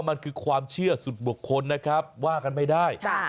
มันคือความเชื่อสุดบุคคลนะครับว่ากันไม่ได้